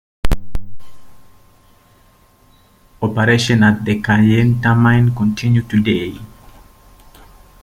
Operations at the Kayenta Mine continue today.